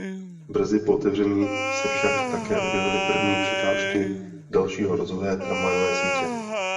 Brzy po otevření se však také objevily první překážky dalšího rozvoje tramvajové sítě.